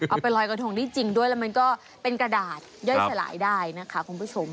เอาไปลอยกระทงที่จริงด้วยแล้วมันก็เป็นกระดาษย่อยสลายได้นะคะคุณผู้ชม